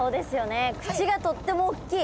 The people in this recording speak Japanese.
口がとってもおっきい。